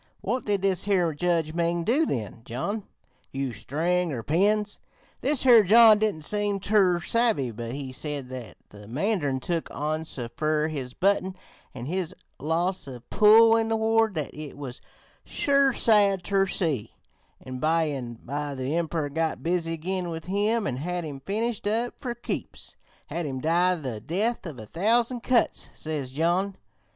What did this here Judge Ming do then, John? Use string or pins?' This here John didn't seem ter savvy, but he said that the mandarin took on so fer his button an' his loss of pull in the ward that it was sure sad ter see, an' by an' by the Emprer got busy again with him an' had him finished up fer keeps; had him die the 'death of a thousand cuts,' says John.